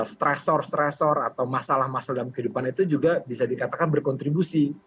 stresor stressor atau masalah masalah dalam kehidupan itu juga bisa dikatakan berkontribusi